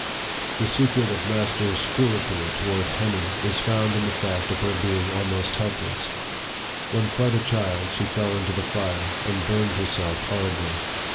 The secret of master's cruelty toward 56 NARRATIVE OF THE * Henny " is found in the fact of her being almost helpless. When quite a child, she fell into the fire, and burned herself horribly.